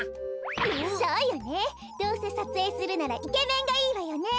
そうよねどうせさつえいするならイケメンがいいわよね。